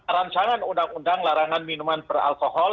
rancangan undang undang larangan minuman beralkohol